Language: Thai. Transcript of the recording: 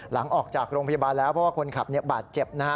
หลังจากออกจากโรงพยาบาลแล้วเพราะว่าคนขับบาดเจ็บนะฮะ